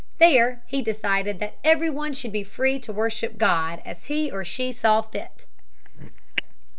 There he decided that every one should be free to worship God as he or she saw fit.